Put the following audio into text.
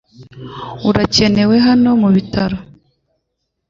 Urakenewe hano mubitaro .